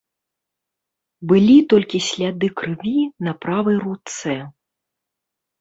Былі толькі сляды крыві на правай руцэ.